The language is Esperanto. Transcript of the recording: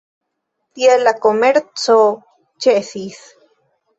Tiel la komerco ĉesis.